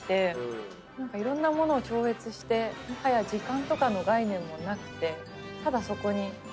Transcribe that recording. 何かいろんなものを超越してもはや時間とかの概念もなくてただそこにいる。